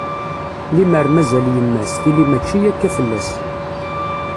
Lemmer mazal yemma-s, tili mačči akka fell-as.